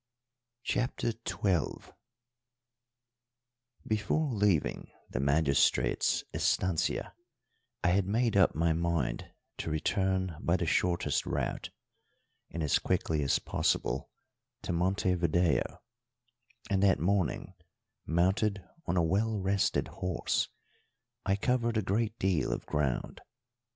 CHAPTER XII Before leaving the magistrate's estancia I had made up my mind to return by the shortest route, and as quickly as possible, to Montevideo; and that morning, mounted on a well rested horse, I covered a great deal of ground.